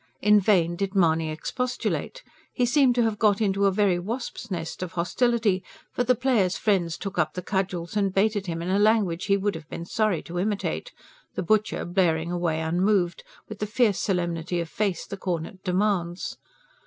In vain did Mahony expostulate: he seemed to have got into a very wasps' nest of hostility; for the player's friends took up the cudgels and baited him in a language he would have been sorry to imitate, the butcher blaring away unmoved, with the fierce solemnity of face the cornet demands.